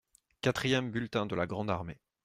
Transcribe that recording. Quatrième bulletin de la grande armée.